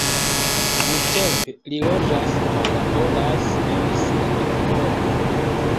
Nuntempe li loĝas kaj laboras en Simferopolo.